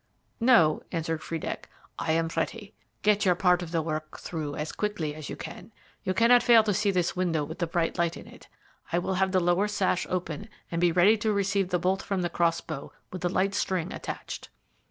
"No," answered Friedeck. "I am ready. Get your part of the work through as quickly as you can: you cannot fail to see this window with the bright light in it. I will have the lower sash open, and be ready to receive the bolt from the crossbow with the light string attached."